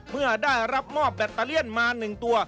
เมื่อได้รับมอบแบตเตอเลียนมา๑ตัว